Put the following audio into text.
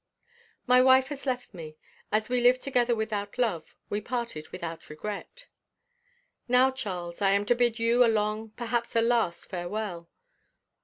My wife has left me. As we lived together without love, we parted without regret. Now, Charles, I am to bid you a long, perhaps a last farewell.